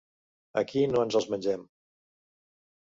Aquí no ens els mengem.